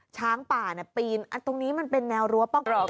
ช้างป่าปีนตรงนี้มันเป็นแนวรั้วป้องกัน